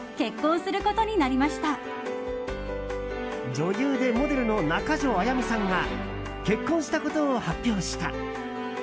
女優でモデルの中条あやみさんが結婚したことを発表した。